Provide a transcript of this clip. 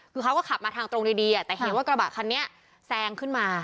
คือเขาก็ขับมาทางตรงดีแต่เห็นว่ากระบะคันนี้แซงขึ้นมา